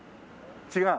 違う。